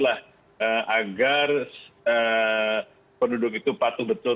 agar penduduk itu patuh betul